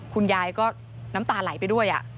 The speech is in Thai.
คุณยายก็น้ำตาไหลไปด้วย